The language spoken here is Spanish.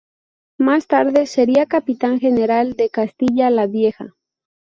Más tarde sería Capitán General de Castilla la Vieja.